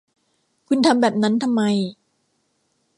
คุณทำแบบนั้นทำไม